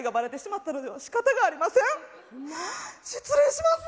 失礼します！